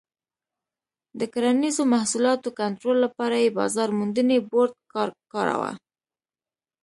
د کرنیزو محصولاتو کنټرول لپاره یې بازار موندنې بورډ کاراوه.